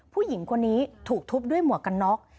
ผู้หญิงคนนี้ถูกทุบด้วยหมวกกันน็อก